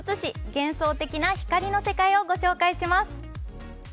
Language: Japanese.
幻想的な光の世界をご紹介します。